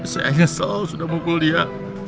saya kesel sudah mukul dia